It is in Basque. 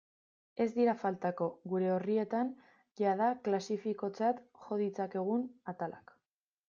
Ez dira faltako gure orrietan jada klasikotzat jo ditzakegun atalak.